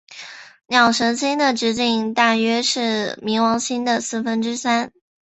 鸟神星的直径大约是冥王星的四分之三。